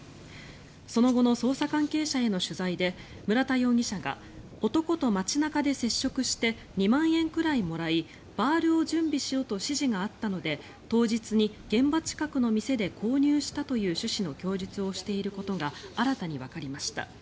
その後の捜査関係者への取材で村田容疑者が男と街中で接触して２万円くらいもらいバールを準備しろと指示があったので当日に現場近くの店で購入したという趣旨の供述をしていることが新たにわかりました。